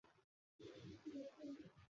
ইহার পরিবর্তন হইতে পারে না।